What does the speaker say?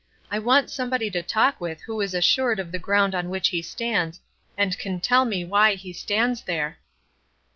I want somebody to talk with who is assured of the ground on which he stands, and can tell me why he stands there."